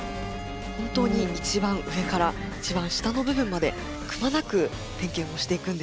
本当に一番上から一番下の部分までくまなく点検をしていくんですね。